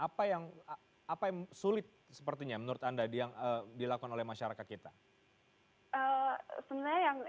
apa yang sulit seperti number procedures yang dilakukan oleh masyarakat saat ini